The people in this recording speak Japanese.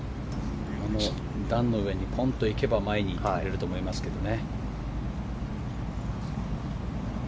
段の上にポンといけば前にいってくれると思いますけどね。